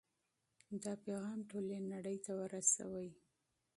دا پیغام ټولې نړۍ ته ورسوئ.